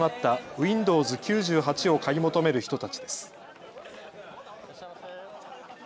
ウィンドウズ９８を買い求める人たちです。